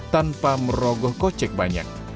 tanpa merogoh kocek banyak